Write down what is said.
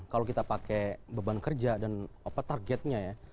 kalau kita pakai beban kerja dan targetnya ya